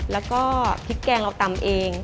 แล้วก็พริกแกงเราตำเอง